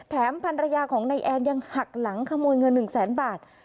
แถมพันรยาของนายแอดยังหักหลังขโมยเงิน๑๐๐๐๐๐บาท